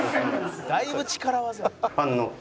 「だいぶ力技」